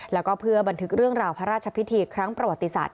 แล้วก็เพื่อบันทึกเรื่องราวพระราชพิธีครั้งประวัติศาสต